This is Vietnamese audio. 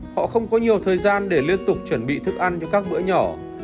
họ không có nhiều thời gian để liên tục chuẩn bị thức ăn cho các bữa nhỏ